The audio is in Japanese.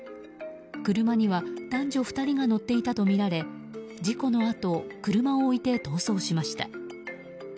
車には男女２人が乗っていたとみられ事故のあと車を置いて逃走しました。